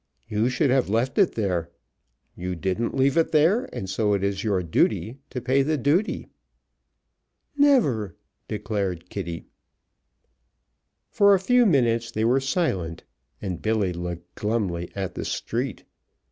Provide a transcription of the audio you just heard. You should have left it there. You didn't leave it there, and so it is your duty to pay the duty." "Never!" declared Kitty. For a few minutes they were silent, and Billy looked glumly at the street.